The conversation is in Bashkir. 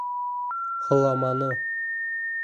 Һыламаны.